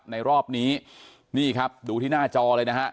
รอบนี้นี่ครับดูที่หน้าจอเลยนะฮะ